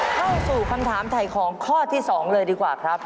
เข้าสู่คำถามถ่ายของข้อที่๒เลยดีกว่าครับ